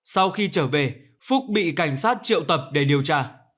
sau khi trở về phúc bị cảnh sát triệu tập để điều tra